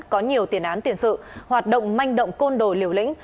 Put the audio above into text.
có nhiều tiền án tiền sự hoạt động manh động côn đồi liều lĩnh